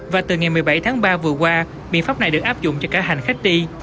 và từ ngày một mươi bảy tháng ba vừa qua biện pháp này được áp dụng cho cả hành khách đi